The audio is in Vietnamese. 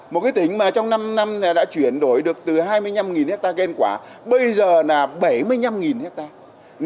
một cái tỉnh mà trong năm năm đã chuyển đổi được từ hai mươi năm hectare khen quả bây giờ là bảy mươi năm hectare